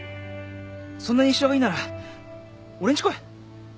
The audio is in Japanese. そんなに一緒がいいなら俺んち来い。